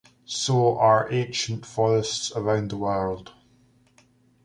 So are ancient forests around the world.